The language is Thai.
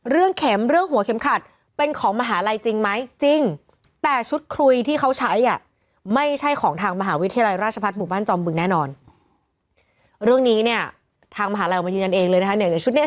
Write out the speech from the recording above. เรื่องนี้เนี่ยทางมหาลัยออกมายืนยันเองเลยนะคะเนี่ยชุดเนี้ยชุดเนี้ย